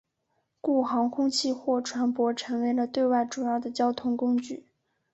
故航空器或船舶成为了对外主要的交通工具。